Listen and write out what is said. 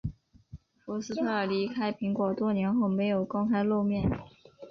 福斯特尔离开苹果多年后没有公开露面。